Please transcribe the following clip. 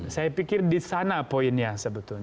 saya pikir di sana poinnya sebetulnya